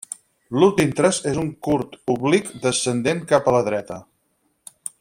L'últim traç és un curt oblic descendent cap a la dreta.